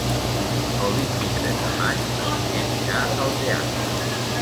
El vint-i-tres de maig na Vinyet irà al teatre.